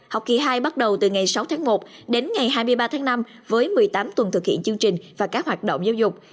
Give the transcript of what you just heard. học kỳ hai bắt đầu từ ngày sáu tháng một đến ngày hai mươi ba tháng năm với một mươi tám tuần thực hiện chương trình và các hoạt động giáo dục